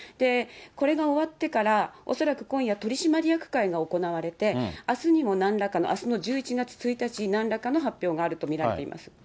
これが終わってから、恐らく今夜取締役会が行われて、あすにもなんらかの、あすの１１月１日、なんらかの発表があると見られています。